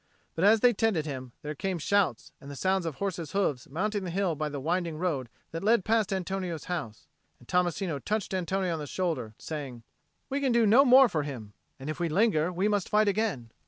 But as they tended him, there came shouts and the sound of horses' hoofs mounting the hill by the winding road that led past Antonio's house. And Tommasino touched Antonio on the shoulder, saying, "We can do no more for him; and if we linger, we must fight again."